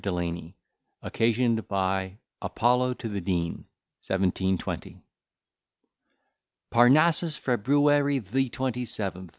DELANY OCCASIONED BY "APOLLO TO THE DEAN" 1720 Parnassus, February the twenty seventh.